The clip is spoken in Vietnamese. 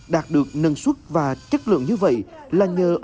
đạt được nâng suất và chất lượng như vậy là nhờ ông võ tấn ngọc